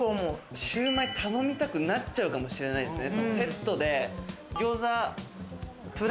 シュウマイ頼みたくなっちゃうかもしれないですね。